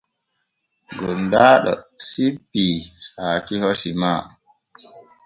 Gondaaɗo sippii saakiho sima.